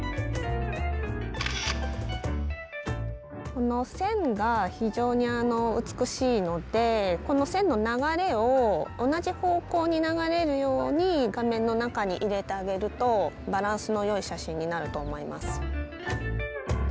この線が非常に美しいのでこの線の流れを同じ方向に流れるように画面の中に入れてあげるとバランスのよい写真になると思います。